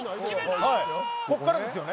ここからですよね。